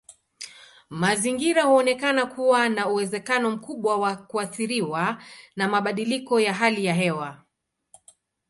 Mazingira huonekana kuwa na uwezekano mkubwa wa kuathiriwa na mabadiliko ya hali ya hewa.